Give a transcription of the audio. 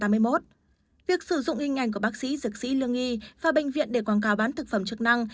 việc sử dụng hình ảnh của bác sĩ dược sĩ lương nghi và bệnh viện để quảng cáo bán thực phẩm chức năng